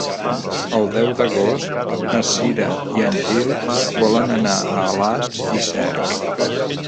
El deu d'agost na Cira i en Gil volen anar a Alàs i Cerc.